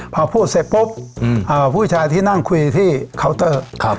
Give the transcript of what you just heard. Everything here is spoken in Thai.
พอพูดเสร็จปุ๊บผู้ชายที่นั่งคุยที่เคาน์เตอร์